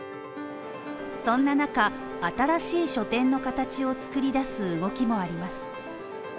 そんな中、新しい書店の形を作り出す動きもあります。